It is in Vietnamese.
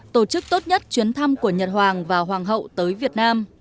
tổ chức tốt nhất chuyến thăm của nhật hoàng và hoàng hậu tới việt nam